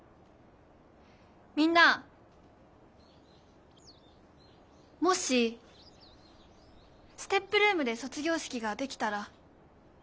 みんなもしＳＴＥＰルームで卒業式ができたら出られる？